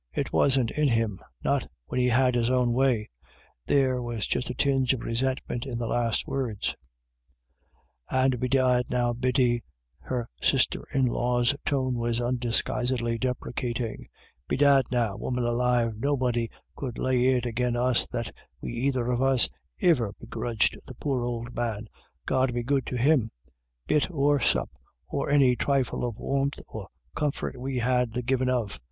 It wasn't in him — not when he had his own way." There was just a tinge of resentment in the last words. "And bedad now, Biddy" — her sister in law's tone was undisguisedly deprecating —" bedad now, woman alive, nobody could lay it agin us that we either of us iver begrudged the poor ould man — God be good to him — bit or sup, or any trifle of warmth or comfort we had the givin' of.